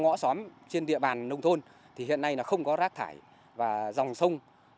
ngõ xóm trên địa bàn nông thôn thì hiện nay là không có rác thải và dòng sông